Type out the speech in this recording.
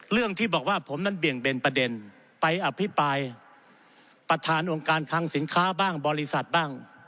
เรื่องที่บอกว่าผมนั้นเบี่ยงเบนประเด็นไปอภิปรายประธานองค์การคังสินค้าบ้างบริษัทบ้าง